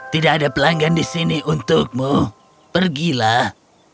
tidak ada pelanggan di sini untukmu pergilah